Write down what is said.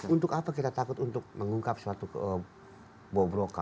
untuk apa kita takut untuk mengungkap suatu bobrokan